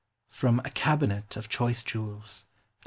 _A Cabinet of Choice Jewels, A.D.